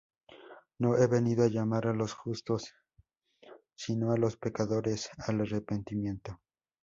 No he venido a llamar a los justos, sino a los pecadores al arrepentimiento.